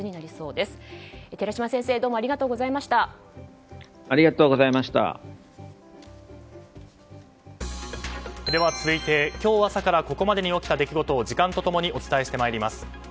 では続いて、今日朝からここまでに起きた出来事を、時間と共にお伝えしてまいります。